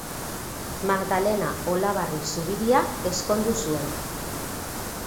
Magdalena Olabarri Zubiria ezkondu zuen.